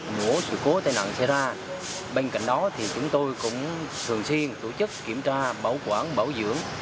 mùa sự cố tai nạn xảy ra bên cạnh đó thì chúng tôi cũng thường xuyên tổ chức kiểm tra bảo quản bảo dưỡng